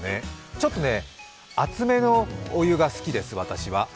ちょっと熱めのお湯が好きです、私は。